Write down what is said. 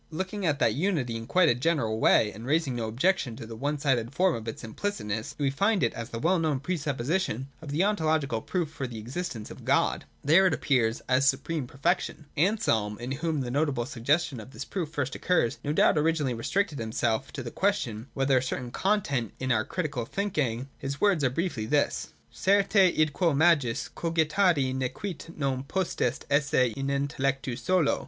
Looking at that unity in a quite general way, and raising no objection to the one sided form of its implicit ness, we find it as the well known pre supposition of the ontological proof for the existence of God. There, it appears as supreme perfection. Anselm, in whom the 332 THE DOCTRINE OF THE NOTION. [193. notable suggestion of this proof first occurs, no doubt originally restricted himself to the question whether a certain content was in our thinking only. His words are briefly these :' Certe id quo majus cogitari nequit, non potest esse in intelledu solo.